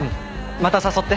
また誘って。